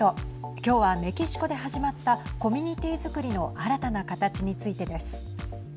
今日はメキシコで始まったコミュニティーづくりの新たな形についてです。